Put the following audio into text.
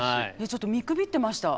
ちょっと見くびってました。